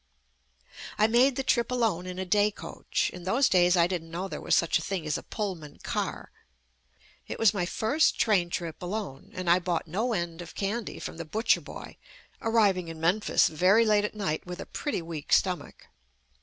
I made the trip alone in a day coach (in those days I didn't know there was such a thing as a Pullman car) . It was my first train trip alone, and I bought no end of candy from the JUST ME butcher boy, arriving in Memphis very late at night with a pretty weak stomach.